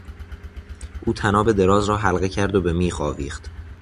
او طناب دراز را حلقه کرد و به میخ آویخت.